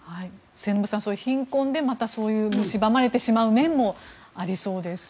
末延さん、貧困でまたむしばまれてしまう面もありそうです。